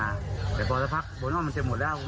กาดมั่วเลยกาดในกระบวนคนที่จะเดินมาก็โดนเหมือนกัน